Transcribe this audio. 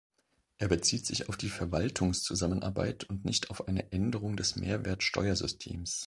Er bezieht sich auf die Verwaltungszusammenarbeit und nicht auf eine Änderung des Mehrwertsteuersystems.